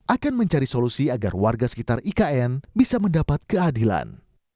akan mencari solusi agar warga sekitar ikn bisa mendapat keadilan